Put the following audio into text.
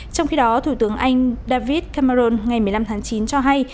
trong khi đó thủ tướng anh david cameron ngày một mươi năm tháng chín cho hay